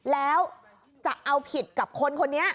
แล้วจะเอาผิดกับคนคนนี้